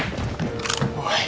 おい。